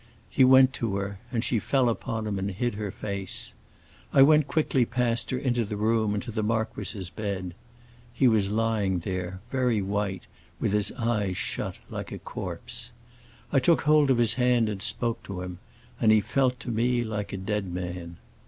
He went to her, and she fell upon him and hid her face. I went quickly past her into the room and to the marquis's bed. He was lying there, very white, with his eyes shut, like a corpse. I took hold of his hand and spoke to him, and he felt to me like a dead man.